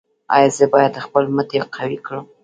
ایا زه باید خپل مټې قوي کړم؟